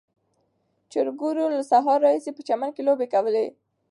چرګوړو له سهار راهیسې په چمن کې لوبې کولې.